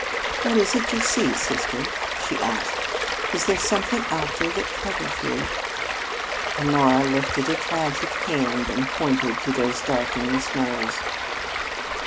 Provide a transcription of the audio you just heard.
"What is it you see, sister?" she asked. "Is there something out there that troubles you?" Honora lifted a tragic hand and pointed to those darkening snows.